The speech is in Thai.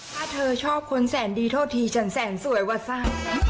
ถ้าเธอชอบคนแสนดีโทษทีฉันแสนสวยว่าสั้น